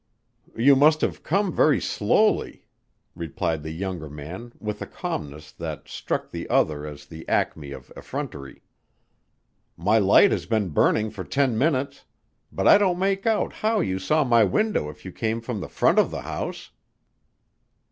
"You must have come very slowly," replied the younger man with a calmness that struck the other as the acme of effrontery. "My light has been burning for ten minutes ... but I don't make out how you saw my window if you came from the front of the house."